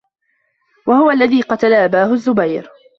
وَهُوَ الَّذِي قَتَلَ أَبَاهُ الزُّبَيْرُ